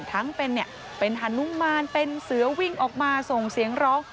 ทั้งเป็นเนี่ยเป็นฮนุมานเป็นเสื้อวิ่งออกมาส่งเสียงร้อง